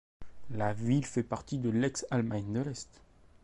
La ville fait partie de l'ex-Allemagne de l'Est.